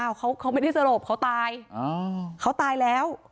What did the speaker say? เขาเขาไม่ได้สลบเขาตายเขาตายแล้ว